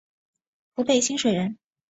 湖北蕲水人。